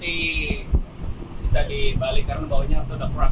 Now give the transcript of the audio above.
berarti bisa dibalik karena bawanya sudah keras